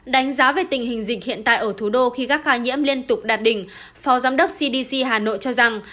đánh giá về tình hình dịch hiện tại ở thủ đô khi các ca nhiễm liên tục đạt đỉnh phó giám đốc cdc hà nội cho rằng